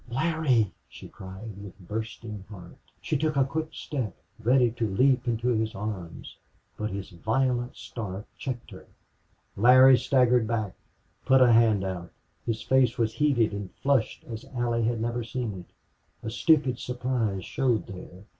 "Larry!" she cried, with bursting heart. She took a quick step, ready to leap into his arms, but his violent start checked her. Larry staggered back put a hand out. His face was heated and flushed as Allie had never seen it. A stupid surprise showed there.